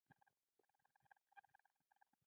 ترموز د کارګر لاس ته ګرمي رسوي.